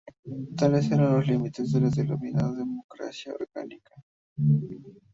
Tales eran los límites de la denominada "democracia orgánica".